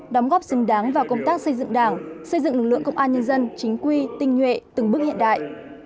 đóng góp xứng đáng vào công tác xây dựng đảng xây dựng lực lượng công an nhân dân chính quy tinh nhuệ từng bước hiện đại